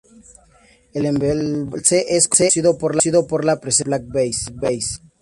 El embalse es conocido por la presencia del black bass.